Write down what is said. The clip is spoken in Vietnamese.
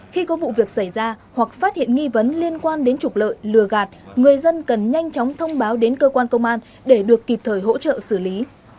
khi có vụ việc xảy ra hoặc phát hiện nghi vấn liên quan đến trục lợi lừa gạt người dân cần nhanh chóng thông báo đến cơ quan công an để được kịp thời hỗ trợ xử lý